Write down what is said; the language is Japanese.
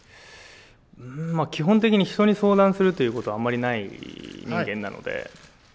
うーん、基本的に人に相談するということはあんまりない人間なので。